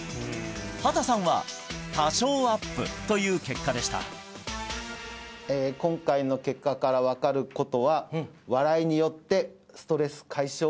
畑さんは多少アップという結果でした今回の結果から分かることはおお！